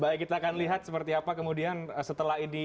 baik kita akan lihat seperti apa kemudian setelah ini